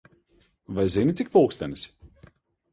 Vai zini, cik pulkstenis?